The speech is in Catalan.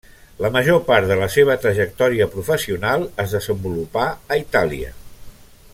La major part de la seva trajectòria professional es desenvolupà a Itàlia.